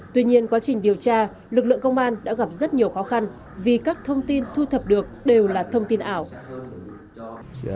tuy nhiên quá trình điều tra lực lượng công an đã gặp rất nhiều khó khăn vì các thông tin thu thập được đều là thông tin ảo